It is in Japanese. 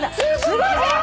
すごい！